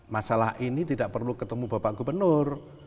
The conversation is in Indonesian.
masalah ini tidak perlu ketemu bapak gubernur